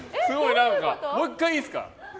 もう１回いいですか。